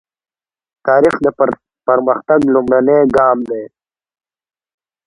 تاریخ د پرمختګ لومړنی ګام دی.